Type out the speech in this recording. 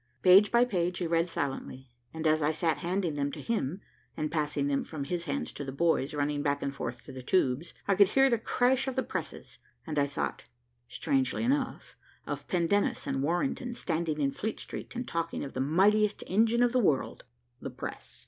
Page by page he read silently, as I sat handing them to him, and passing them from his hands to the boys running back and forth to the tubes. I could hear the crash of the presses, and I thought, strangely enough, of Pendennis and Warrington standing in Fleet Street and talking of the mightiest engine in the world, the press.